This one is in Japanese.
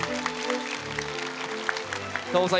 河本さん